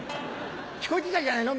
聞こえてたんじゃないの？